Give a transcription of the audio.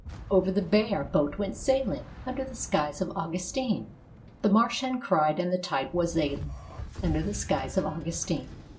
VI Over the bay as our boat went sailing Under the skies of Augustine, The marsh hen cried and the tide was ailing Under the skies of Augustine.